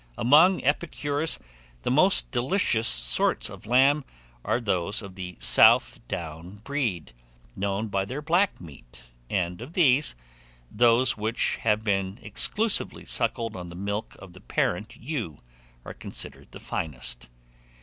Among epicures, the most delicious sorts of lamb are those of the South Down breed, known by their black feet; and of these, those which have been exclusively suckled on the milk of the parent ewe, are considered the finest.